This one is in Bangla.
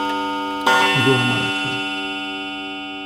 গোয়া মারা খা!